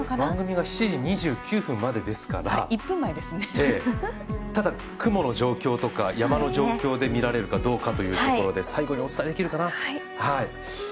番組が７時２９分までですからただ、雲の状況や山の状況で見られるかどうかということで、最後にお伝えできるかな。